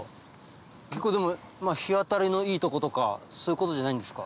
結構日当たりのいいとことかそういうことじゃないんですか。